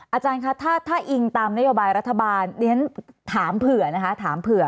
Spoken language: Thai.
อาจารย์คะถ้าอิงตามนโยบายรัฐบาลถามเผื่อนะคะ